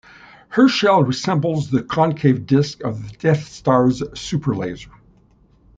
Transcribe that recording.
Herschel resembles the concave disc of the Death Star's "superlaser".